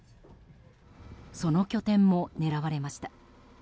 その拠点も狙われました。